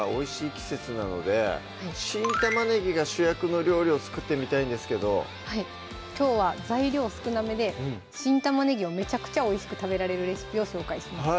季節なので新玉ねぎが主役の料理を作ってみたいんですけどきょうは材料少なめで新玉ねぎをめちゃくちゃおいしく食べられるレシピを紹介します